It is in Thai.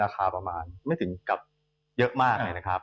ประมาณไม่ถึงกับเยอะมากเลยนะครับ